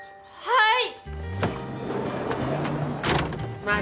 はい。